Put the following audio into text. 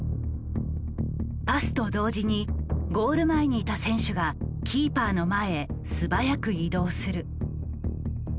パスと同時にゴール前にいた選手がキーパーの前へ素早く移動する。